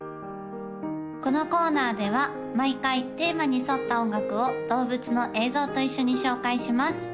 このコーナーでは毎回テーマに沿った音楽を動物の映像と一緒に紹介します